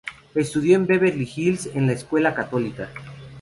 Estudió en Beverly Hills en una escuela católica.